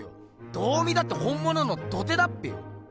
どう見たって本ものの土手だっぺよ。